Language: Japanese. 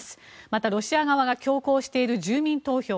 また、ロシア側が強行している住民投票。